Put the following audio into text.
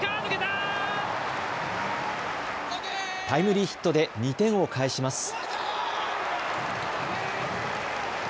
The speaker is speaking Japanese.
タイムリーヒットで２点を返します。